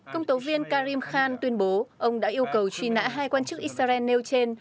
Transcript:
công tố viên karim khan tuyên bố ông đã yêu cầu truy nã hai quan chức israel nêu trên